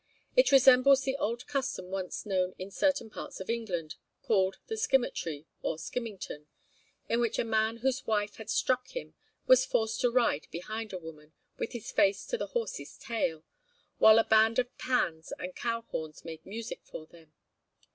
It resembles the old custom once known in certain parts of England, called the skimitry or skimmington, in which a man whose wife had struck him was forced to ride behind a woman, with his face to the horse's tail, while a band of pans and cow horns made music for them.